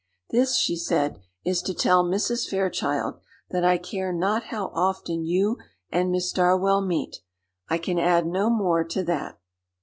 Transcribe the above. "This," she said, "is to tell Mrs. Fairchild, that I care not how often you and Miss Darwell meet. I can add no more to that."